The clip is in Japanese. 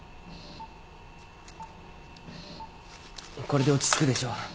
これで落ち着くでしょう。